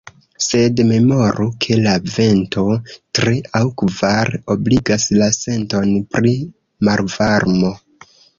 Sed memoru, ke la vento tri- aŭ kvar-obligas la senton pri malvarmo.